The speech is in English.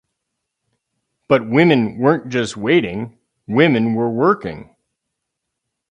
But women weren't just waiting; women were working.